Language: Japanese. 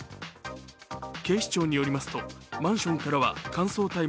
警視庁によりますと、マンションからは乾燥大麻